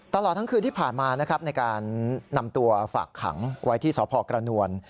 ตลอดทั้งคืนที่ผ่านมานะครับในการนำตัวฝากขังไว้ที่สพกระนวล